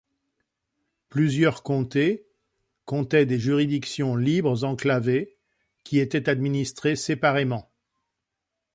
Plusieurs comtés comptaient des juridictions libres enclavées qui étaient administrées séparément.